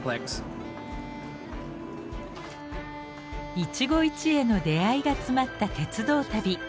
一期一会の出会いが詰まった鉄道旅。